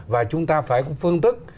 và chúng ta phải có phương tức